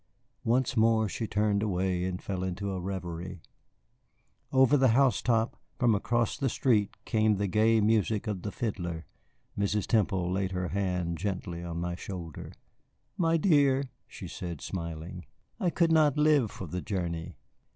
Once more she turned away and fell into a revery. Over the housetop, from across the street, came the gay music of the fiddler. Mrs. Temple laid her hand gently on my shoulder. "My dear," she said, smiling, "I could not live for the journey."